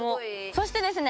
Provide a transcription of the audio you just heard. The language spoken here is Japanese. そしてですね